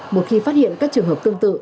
một khi phát hiện các trường hợp tương tự